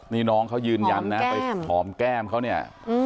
นี่น้องเขายืนยันนะไปหอมแก้มเขาเนี่ย